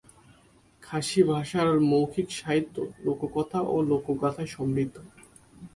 খাসি ভাষার মৌখিক সাহিত্য লোককথা ও লোকগাথায় সমৃদ্ধ।